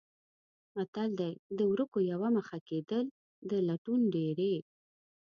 متل دی: د ورکو یوه مخه کېدل د لټون ډېرې.